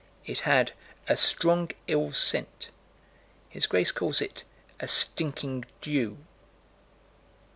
It had a "strong ill scent." His Grace calls it a "stinking dew."